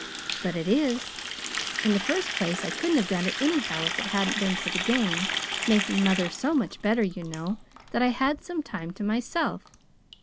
"But it is. In the first place, I couldn't have done it anyway if it hadn't been for the game making mother so much better, you know, that I had some time to myself.